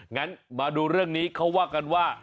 งั้นมาดูเรื่องนี้เขาว่ากันว่า